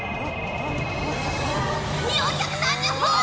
４３０ほぉ！